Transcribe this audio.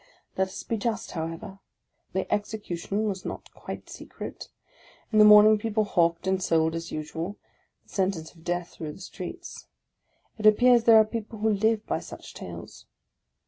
Let us be just, however; the execution was not quite secret. In the morning people hawked and sold, as usual, the sen tence of death through the streets. It appears there are people who live by such sales.